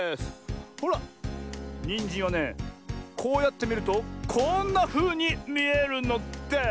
ほらニンジンはねこうやってみるとこんなふうにみえるのです！